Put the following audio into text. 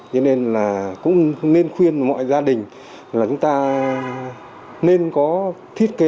cho nên là cũng nên khuyên mọi gia đình là chúng ta nên có thiết kế